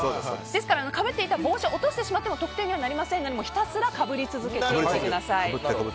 ですからかぶっていた帽子を落としてしまったら得点にならないのでひたすらかぶり続けてください。